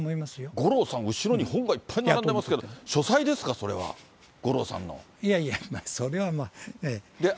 五郎さん、後ろに本がいっぱい並んでますけど、いやいや、それはまあ。